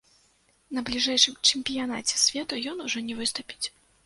На бліжэйшым чэмпіянаце свету ён ужо не выступіць.